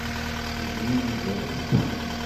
Tuzen-iyi-d adlis-a.